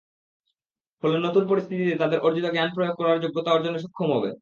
ফলে নতুন পরিস্থিতিতে তাদের অর্জিত জ্ঞান প্রয়োগ করার যোগ্যতা অর্জনে সক্ষম হবে।